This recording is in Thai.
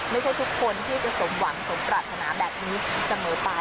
ไม่ใช่ทุกคนที่จะสมหวังสมปรารถนาแบบนี้เสมอไป